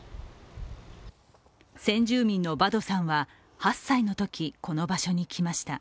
先住民のバドさんは８歳のときこの場所に来ました。